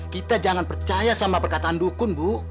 kita jangan percaya sama perkataan dukun bu